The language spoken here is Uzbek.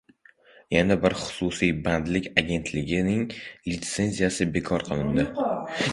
Yana bir xususiy bandlik agentligining lisenziyasi bekor qilindi